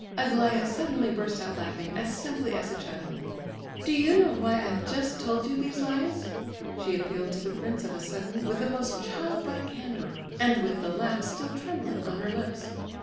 Aglaya suddenly burst out laughing, as simply as a child. "Do you know why I have just told you these lies?" She appealed to the prince, of a sudden, with the most childlike candour, and with the laugh still trembling on her lips.